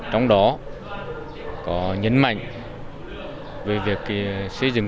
trong đó có nhấn mạnh về việc xây dựng chuẩn mực khi ứng xử với nhân dân